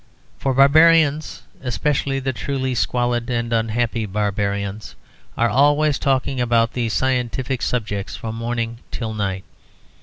For barbarians (especially the truly squalid and unhappy barbarians) are always talking about these scientific subjects from morning till night.